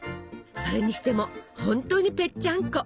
それにしてもほんとにぺっちゃんこ。